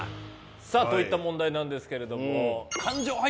さあといった問題なんですけれども。